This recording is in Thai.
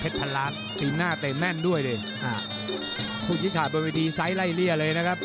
พันล้านตีหน้าเตะแม่นด้วยดิอ่าผู้ชี้ขาดบนเวทีไซส์ไล่เลี่ยเลยนะครับ